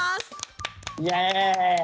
イェーイ！